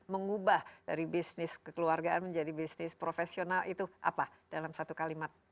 mengubah dari bisnis kekeluargaan menjadi bisnis profesional itu apa dalam satu kalimat